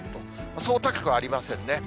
そう高くありませんね。